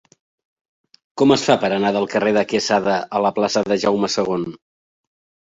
Com es fa per anar del carrer de Quesada a la plaça de Jaume II?